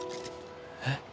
えっ？